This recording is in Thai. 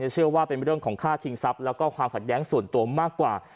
เชื่อว่าเป็นเรื่องของฆ่าชิงทรัพย์แล้วก็ความขัดแย้งส่วนตัวมากกว่า